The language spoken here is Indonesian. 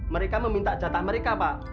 mereka meminta jatah mereka pak